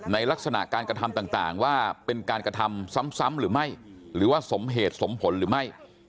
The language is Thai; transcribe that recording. ลักษณะการกระทำต่างว่าเป็นการกระทำซ้ำหรือไม่หรือว่าสมเหตุสมผลหรือไม่